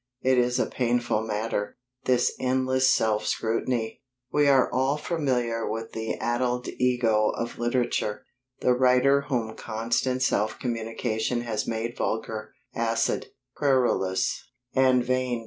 It is a painful matter, this endless self scrutiny. We are all familiar with the addled ego of literature the writer whom constant self communion has made vulgar, acid, querulous, and vain.